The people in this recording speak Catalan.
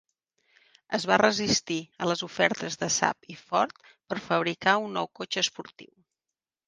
Es va resistir a les ofertes de Saab i Ford per fabricar un nou cotxe esportiu.